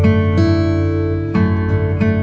terima kasih ya mas